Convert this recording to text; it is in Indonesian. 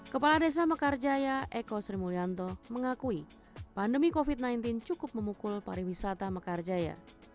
kepala desa mekar jaya eko sri mulyanto mengakui pandemi covid sembilan belas cukup memukul pariwisata mekar jaya